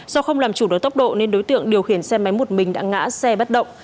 do không làm chủ đối tốc độ nên đối tượng điều khiển xe máy một mình đã ngã xe bất động